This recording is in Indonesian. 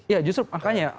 ya justru makanya